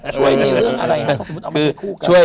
จี๊ดเลยหรอ